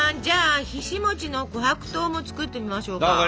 じゃあひし餅の琥珀糖も作ってみましょうか。